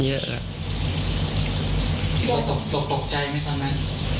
ตกใจไหมตอนนั้น